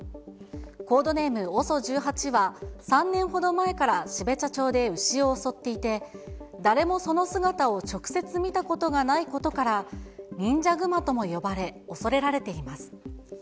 コードネーム、ＯＳＯ１８は、３年ほど前から標茶町で牛を襲っていて、誰もその姿を直接見たことがないことから、忍者グマとも呼ばれ、恐れられています。